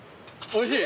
おいしい！